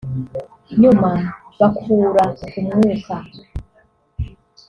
nyuma bakura umwuka